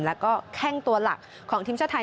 แล้วก็แข้งตัวหลักของทีมชาติไทย